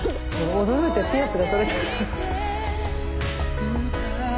驚いてピアスが取れた。